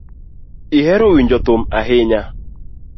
Ihero winjo thum ahinya.